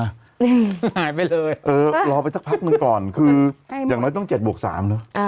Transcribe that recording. หายไปเลยเออรอไปสักพักหนึ่งก่อนคืออย่างน้อยต้องเจ็ดบวกสามเนอะอ่า